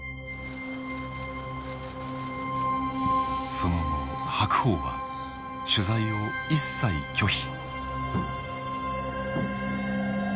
その後白鵬は取材を一切拒否。